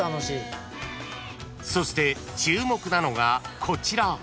［そして注目なのがこちら］